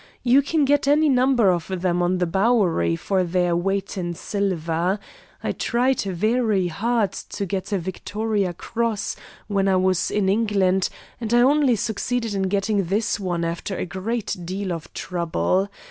You can get any number of them on the Bowery for their weight in silver. I tried very hard to get a Victoria Cross when I was in England, and I only succeeded in getting this one after a great deal of trouble.